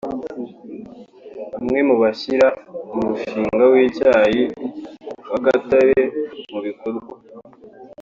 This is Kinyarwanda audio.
bamwe mu bashyira umushinga w’icyayi wa gatare mu bikorwa